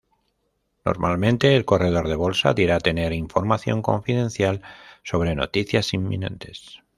Normalmente el corredor de bolsa dirá tener "información confidencial" sobre noticias inminentes.